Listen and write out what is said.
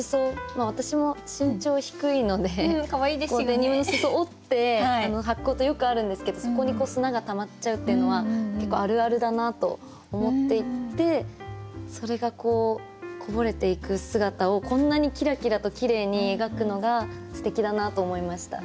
デニムの裾折ってはくことよくあるんですけどそこに砂がたまっちゃうっていうのは結構あるあるだなと思っていてそれがこうこぼれていく姿をこんなにキラキラときれいに描くのがすてきだなと思いました。